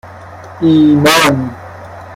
ایمان